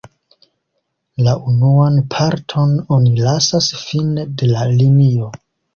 La unuan parton oni lasas fine de la linio.